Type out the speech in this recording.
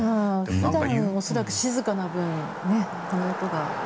普段、恐らく静かな分この音が。